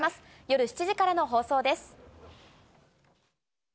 夜７時からの放送です。